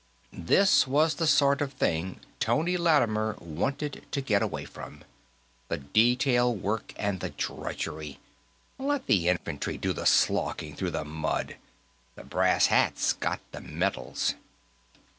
That was the sort of thing Tony Lattimer wanted to get away from, the detail work and the drudgery. Let the infantry do the slogging through the mud; the brass hats got the medals.